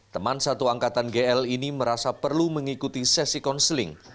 teman satu angkatan gl ini merasa perlu mengikuti sesi konseling